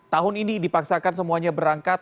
tahun ini dipaksakan semuanya berangkat